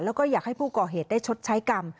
แล้วก็อยากให้ผู้ก่อเหตุได้ชดใช้กรรม